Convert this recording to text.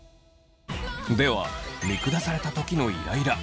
では見下された時のイライラ